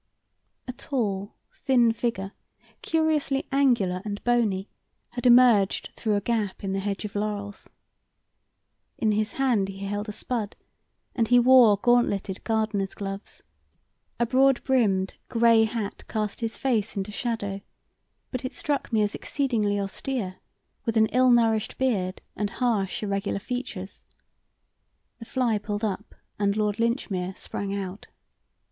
A tall, thin figure, curiously angular and bony, had emerged through a gap in the hedge of laurels. In his hand he held a spud, and he wore gauntleted gardener's gloves. A broad brimmed, grey hat cast his face into shadow, but it struck me as exceedingly austere, with an ill nourished beard and harsh, irregular features. The fly pulled up and Lord Linchmere sprang out.